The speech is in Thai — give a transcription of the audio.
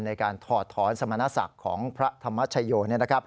ในการถอดถอนสมณศักดิ์ของพระธรรมชโย